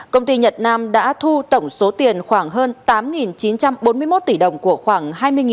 công ty nhật nam đã thu tổng số tiền khoảng hơn tám chín trăm bốn mươi một tỷ đồng của khoảng hai mươi cao